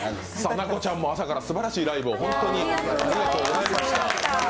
奈子ちゃんも朝からすばらしいライブをありがとうございました。